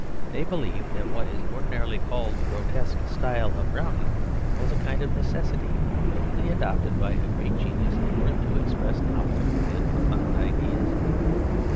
They believe that what is ordinarily called the grotesque style of Browning was a kind of necessity boldly adopted by a great genius in order to express novel and profound ideas.